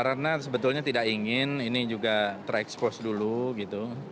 pak ratna sebetulnya tidak ingin ini juga terekspos dulu